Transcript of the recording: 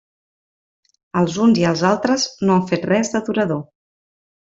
Els uns i els altres no han fet res de durador.